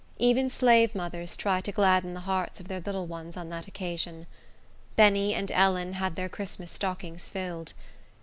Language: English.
Even slave mothers try to gladden the hearts of their little ones on that occasion. Benny and Ellen had their Christmas stockings filled.